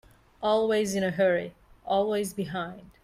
Always in a hurry, always behind.